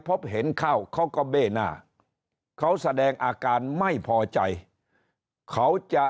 พบเห็นเข้าเขาก็เบ้หน้าเขาแสดงอาการไม่พอใจเขาจะ